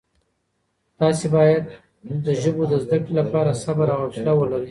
تاسي باید د ژبو د زده کړې لپاره صبر او حوصله ولرئ.